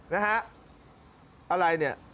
นะฮะอะไรเนี่ย